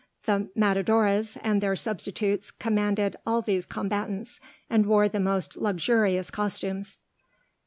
The matadores and their substitutes commanded all these combatants, and wore the most luxurious costumes.